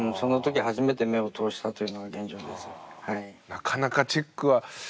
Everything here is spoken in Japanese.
なかなかチェックは。